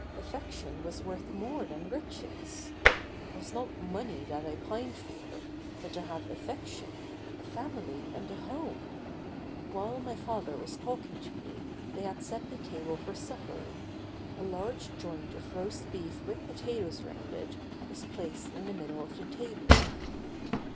Affection was worth more than riches. It was not money that I pined for, but to have affection, a family and a home. While my father was talking to me they had set the table for supper. A large joint of roast beef with potatoes round it was placed in the middle of the table.